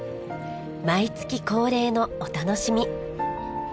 毎月恒例のお楽しみ。